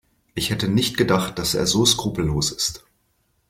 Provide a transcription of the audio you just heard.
Ich hätte nicht gedacht, dass er so skrupellos ist.